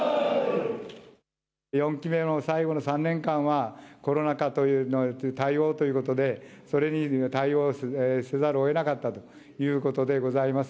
４期目の最後の３年間はコロナ禍の対応ということでそれに対応せざるをえなかったということでございます。